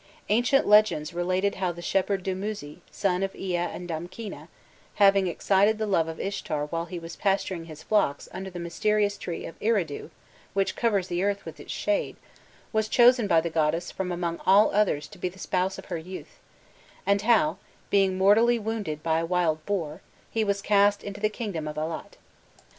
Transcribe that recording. Ancient legends related how the shepherd Dumuzi, son of Ea and Damkina, having excited the love of Ishtar while he was pasturing his flocks under the mysterious tree of Eridu, which covers the earth with its shade, was chosen by the goddess from among all others to be the spouse of her youth, and how, being mortally wounded by a wild boar, he was cast into the kingdom of Allat.